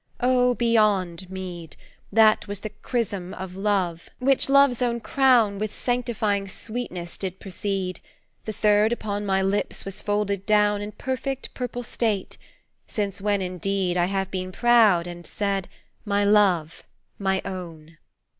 O beyond meed! That was the chrism of love, which love's own crown With sanctifying sweetness, did precede. The third upon my lips was folded down In perfect, purple state; since when, indeed, I have been proud and said, 'My love, my own!'